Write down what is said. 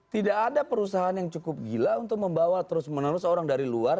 tidak ada perusahaan yang cukup gila untuk membawa terus menerus orang dari luar